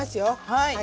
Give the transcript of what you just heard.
はい。